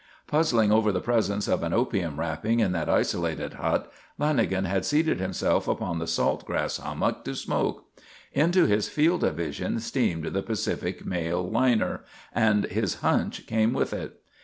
Puzzling over the presence of an opium wrapping in that isolated hut Lanagan had seated himself upon the salt grass hummock to smoke. Into his field of vision steamed the Pacific Mail liner and his "hunch" came with it.